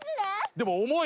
でも重い！